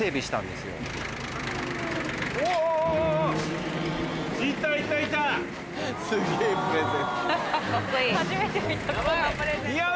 すげぇプレゼント。